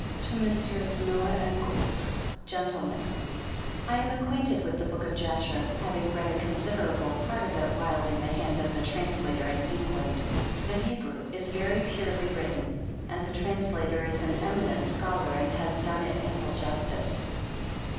To Meesrs. Noah and Gould, Gentlemen, I am acquainted with the Book of Jasher, having read a considerable part of it while in the hands of the translator in England. The Hebrew is very purely written, aud the translator is an eminent scholar and has done it ample justice.